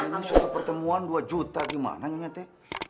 ini satu pertemuan dua juta gimana nyanyate